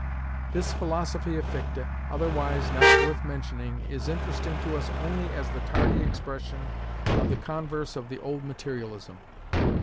This philosophy of Fichte, otherwise not worth mentioning, is interesting to us only as the tardy expression of the converse of the old materialism.